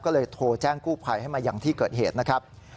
ก็เลยโทรแจ้งกู้ภัยให้มาอย่างที่เกิดเหตุนะครับ